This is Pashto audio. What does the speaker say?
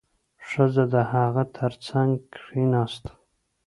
ښځه د هغه تر څنګ کېناسته.